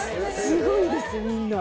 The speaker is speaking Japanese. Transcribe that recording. すごいですみんな。